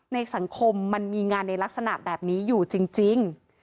ในสังคมมันมีงานในลักษณะแบบนี้อยู่จริง